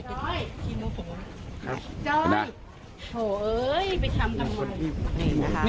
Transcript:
จ้อยทีมโมโผจ้อยโอ้ยไปทำทำไม